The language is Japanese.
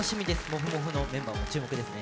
もふもふのメンバーも注目です。